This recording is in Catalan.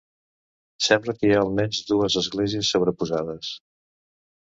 Sembla que hi ha almenys dues esglésies sobreposades.